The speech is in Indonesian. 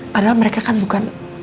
padahal mereka kan bukan